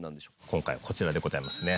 今回はこちらでございますね。